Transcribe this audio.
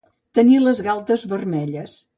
Tenir les galtes vermelles.